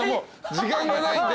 時間がないんで。